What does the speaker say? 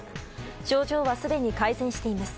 症状は、すでに改善しています。